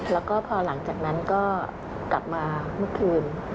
แล้วก็พอหลังจากนั้นก็กลับมาเมื่อคืน